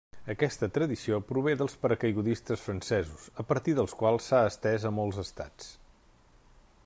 Aquesta tradició prové dels paracaigudistes francesos, a partir dels quals s'ha estès a molts estats.